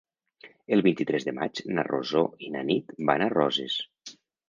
El vint-i-tres de maig na Rosó i na Nit van a Roses.